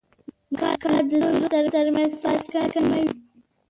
موسکا د زړونو ترمنځ فاصله کموي.